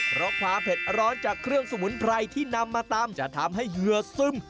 เพราะความเผ็ดร้อนจากเครื่องสมุนไพรที่นำมาตำจะทำให้เหยื่อซึม